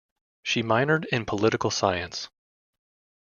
She minored in political science.